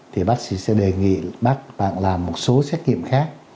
thì bác sĩ sẽ đề nghị bác làm một số xét nghiệm khác